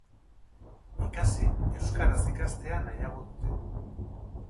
Ikasi, euskaraz ikastea nahiago dute.